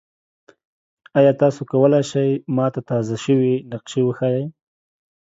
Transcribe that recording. ایا تاسو کولی شئ ما ته تازه شوي نقشې وښایئ؟